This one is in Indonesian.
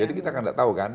jadi kita nggak tahu kan